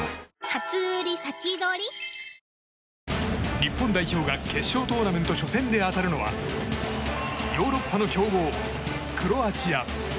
日本代表が決勝トーナメント初戦で当たるのはヨーロッパの強豪クロアチア。